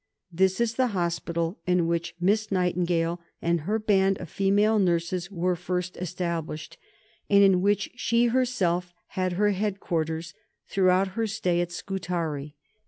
This is the hospital in which Miss Nightingale and her band of female nurses were first established, and in which she herself had her headquarters throughout her stay at Scutari.